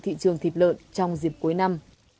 thị trường thịt lợn trong dịp cuối năm